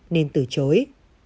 nên từ chối